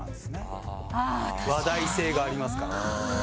話題性がありますから。